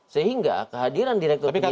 sehingga kehadiran direktur penyelidikan